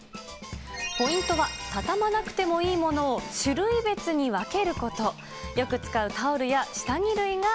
ポイントは、畳まなくてもいいものを種類別に分けること。